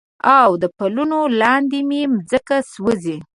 او د پلونو لاندې مې مځکه سوزي